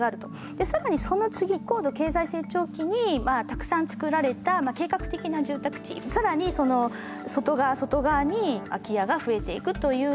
で更にその次高度経済成長期にたくさん造られた計画的な住宅地更にその外側外側に空き家が増えていくというような予測になっています。